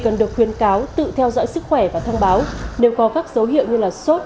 cần được khuyên cáo tự theo dõi sức khỏe và thông báo nếu có các dấu hiệu như sốt